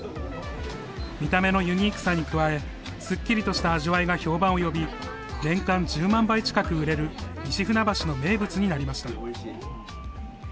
見た目のユニークさに加えすっきりとした味わいが評判を呼び年間１０万杯近く売れる西船橋の名物になりました。